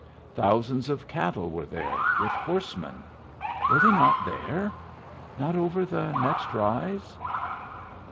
Thousands of cattle were there, with horsemen. Were they not there? Not over the next rise?